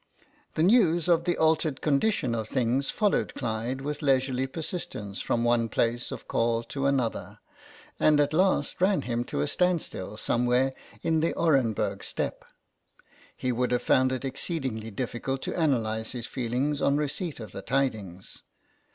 The news of the altered condition of things followed Clyde with leisurely persistence from one place of call to another, and at last ran him to a standstill somewhere in the Oren burg Steppe. He would have found it ex ceedingly difficult to analyse his feelings on receipt of the tidings.